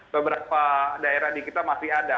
beberapa daerah di kita masih ada